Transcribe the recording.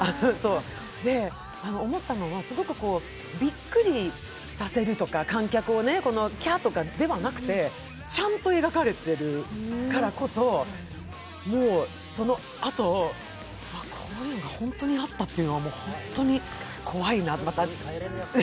で、思ったのは、びっくりさせるとか観客をキャッとかではなくて、ちゃんと描かれてるからこそ、そのあと、こういうのが本当にあったっていうのは本当に怖いなって。